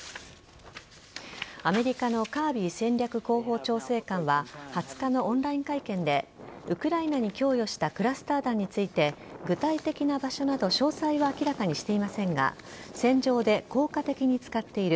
アメリカのカービー戦略広報調整官は２０日のオンライン会見でウクライナに供与したクラスター弾について具体的な場所など詳細は明らかにしていませんが戦場で効果的に使っている。